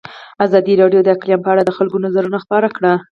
ازادي راډیو د اقلیم په اړه د خلکو نظرونه خپاره کړي.